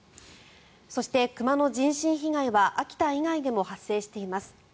そして、熊の人身被害は秋田以外でも発生しています。